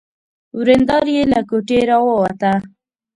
ورېندار يې له کوټې را ووته.